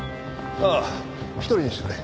ああ一人にしてくれ。